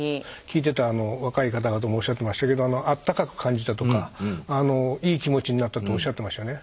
聞いてたあの若い方々もおっしゃってましたけどあったかく感じたとかいい気持ちになったとおっしゃってましたよね。